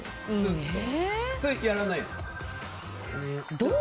やらないですか？